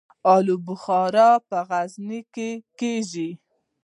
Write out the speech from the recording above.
الو بخارا په غزني کې کیږي